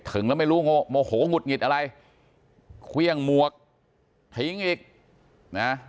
ถึงแล้วไม่รู้โมโหหงุดหงิดอะไรเครื่องหมวกทิ้งอีกนะ